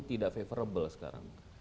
tidak favorable sekarang